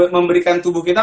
memberikan tubuh kita